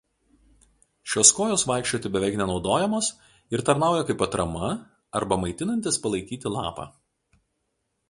Šios kojos vaikščioti beveik nenaudojamos ir tarnauja kaip atrama arba maitinantis palaikyti lapą.